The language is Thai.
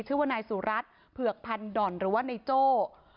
ชื่อว่านายสุรัตน์เผือกพันด่อนหรือว่านายโจ้